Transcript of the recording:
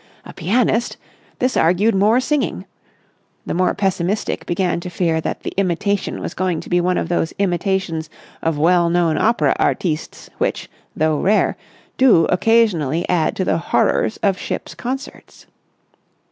A pianist! This argued more singing. The more pessimistic began to fear that the imitation was going to be one of those imitations of well known opera artistes which, though rare, do occasionally add to the horrors of ships' concerts.